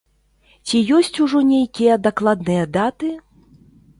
Ці ёсць ужо нейкія дакладныя даты?